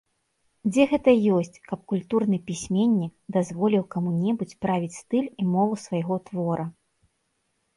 Дзе гэта ёсць, каб культурны пісьменнік дазволіў каму-небудзь правіць стыль і мову свайго твора?